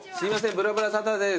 『ぶらぶらサタデー』です。